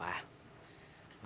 gak usah gapapa